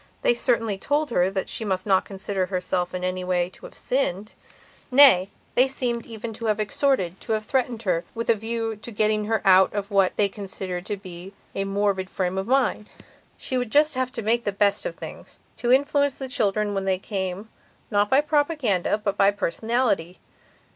They certainly told her that she must not consider herself in any way to have sinned. Nay, they seem even to have extorted, to have threatened her, with a view to getting her out of what they considered to be a morbid frame of mind. She would just have to make the best of things, to influence the children when they came, not by propaganda, but by personality.